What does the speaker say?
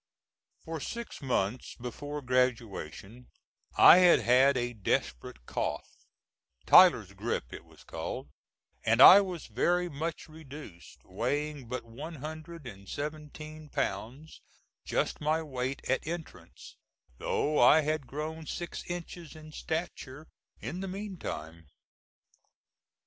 For six months before graduation I had had a desperate cough ("Tyler's grip" it was called), and I was very much reduced, weighing but one hundred and seventeen pounds, just my weight at entrance, though I had grown six inches in stature in the mean time.